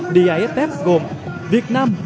d i f f gồm việt nam